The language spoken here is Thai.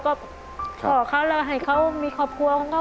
ก็พ่อเขาแล้วให้เขามีครอบครัวของเขา